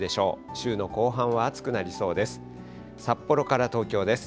週の後半は暑くなりそうです。